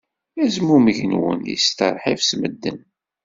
Azmumeg-nwen yesteṛḥib s medden.